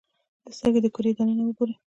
د سترګې د کرې دننه وګورئ.